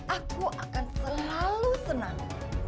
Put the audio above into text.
aku akan selalu senang